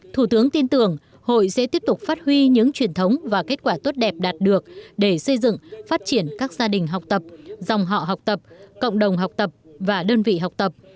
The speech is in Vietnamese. thủ tướng tin tưởng hội sẽ tiếp tục phát huy những truyền thống và kết quả tốt đẹp đạt được để xây dựng phát triển các gia đình học tập dòng họ học tập cộng đồng học tập và đơn vị học tập